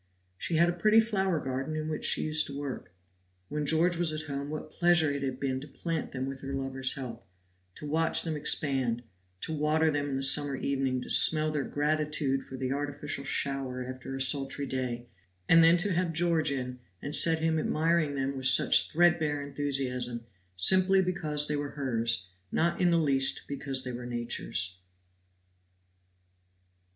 She had a pretty flower garden in which she used to work. When George was at home what pleasure it had been to plant them with her lover's help, to watch them expand, to water them in the summer evening, to smell their gratitude for the artificial shower after a sultry day, and then to have George in, and set him admiring them with such threadbare enthusiasm, simply because they were hers, not in the least because they were Nature's.